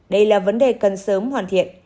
đây là vấn đề cần sớm hoàn thiện